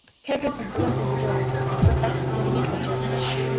Characters in "Villains and Vigilantes" reflects the unique nature of the rules.